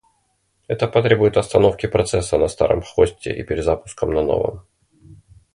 Это потребует остановки процесса на старом хосте и перезапуском на новом